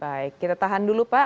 baik kita tahan dulu pak